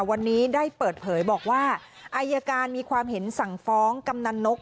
วันนี้ได้เปิดเผยบอกว่าอายการมีความเห็นสั่งฟ้องกำนันนก